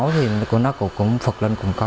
thì nó cũng phật lên cũng có